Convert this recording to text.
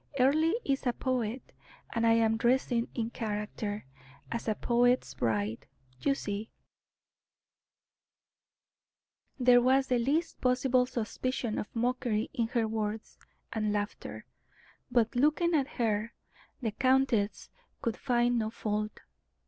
"Earle is a poet, and I am dressing in character, as a poet's bride, you see." There was the least possible suspicion of mockery in her words and laughter, but looking at her, the countess could find no fault.